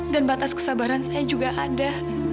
dan batas kesabaran saya juga ada